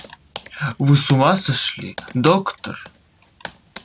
— Вы с ума сошли, доктор!